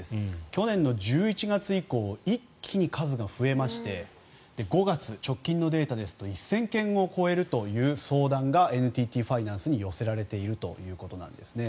去年１１月以降一気に数が増えまして５月、直近のデータですと１０００件を超える相談がＮＴＴファイナンスに寄せられているということなんですね。